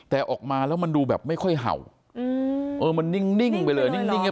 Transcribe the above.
แต่ออกมาแล้วมันดูแบบไม่ค่อยเห่าอืมเออมันนิ่งไปเลยนิ่ง